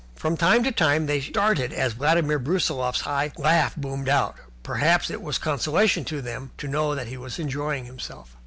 From time to time they started as Vladimir Brusiloff's laugh boomed out. Perhaps it was a consolation to them to know that he was enjoying himself.